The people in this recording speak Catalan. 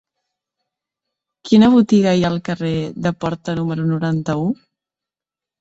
Quina botiga hi ha al carrer de Porta número noranta-u?